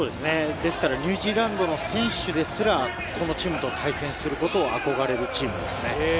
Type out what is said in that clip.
ですからニュージーランドの選手ですら、このチームと対戦することを憧れるチームですね。